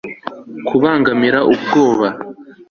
Kubangamira ubwoba